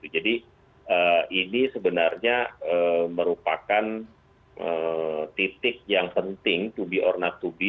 jadi ini sebenarnya merupakan titik yang penting to be or not to be